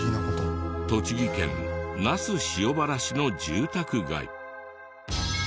栃木県那須塩原市の住宅街。